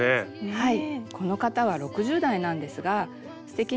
はい。